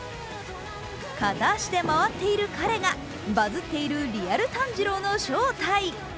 片足で回っている彼がバズッているリアル炭治郎の正体。